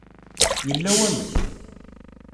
Yella wamek.